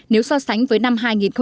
nếu so sánh với năm hai nghìn một mươi bảy